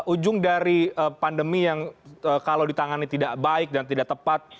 ujung dari pandemi yang kalau ditangani tidak baik dan tidak tepat